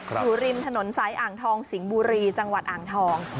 อยู่ริมถนนสายอ่างทองสิงห์บุรีจังหวัดอ่างทอง